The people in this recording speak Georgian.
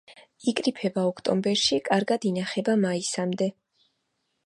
იკრიფება ოქტომბერში, კარგად ინახება მაისამდე.